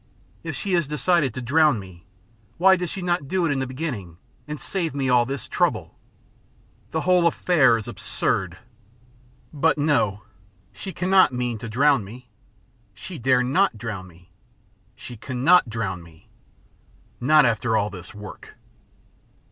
If she has decided to drown me, why did she not do it in the beginning and save me all this trouble? The whole affair is absurd.... But no, she cannot mean to drown me. She dare not drown me. She cannot drown me. Not after all this work."